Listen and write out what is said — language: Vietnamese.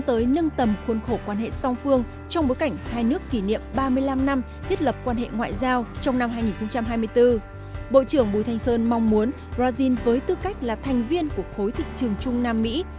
bộ trưởng bùi thanh sơn mong muốn brazil với tư cách là thành viên của khối thị trường trung nam mỹ